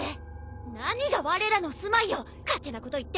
何がわれらのすまいよ勝手なこと言って！